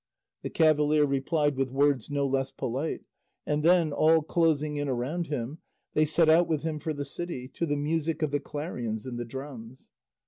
The cavalier replied with words no less polite, and then, all closing in around him, they set out with him for the city, to the music of the clarions and the drums.